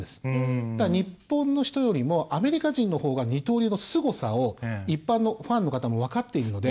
だから日本の人よりもアメリカ人のほうが二刀流のすごさを一般のファンの方も分かっているので。